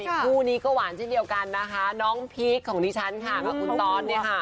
คู่นี้ก็หวานเช่นเดียวกันนะคะน้องพีคของดิฉันค่ะกับคุณตอสเนี่ยค่ะ